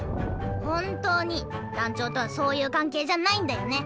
本当に団長とはそういう関係じゃないんだよね？